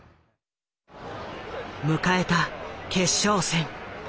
迎えた決勝戦。